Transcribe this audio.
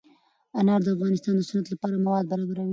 انار د افغانستان د صنعت لپاره مواد برابروي.